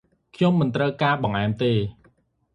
ខ្ញុំមិនត្រូវការបង្អែមទេ ។